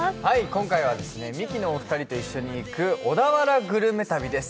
今回はミキのお二人と一緒に行く小田原グルメ旅です。